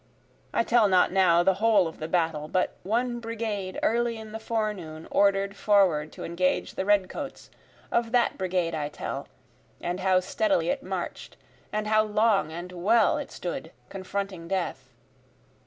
I tell not now the whole of the battle, But one brigade early in the forenoon order'd forward to engage the red coats, Of that brigade I tell, and how steadily it march'd, And how long and well it stood confronting death.